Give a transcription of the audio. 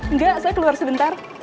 enggak saya keluar sebentar